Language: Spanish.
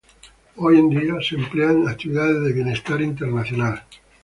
Hoy día se emplea en actividades de bienestar internacional.